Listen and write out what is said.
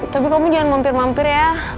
tapi kamu jangan mampir mampir ya